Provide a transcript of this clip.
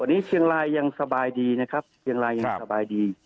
วันนี้เชียงรายยังสบายดีนะครับเชียงรายยังสบายดี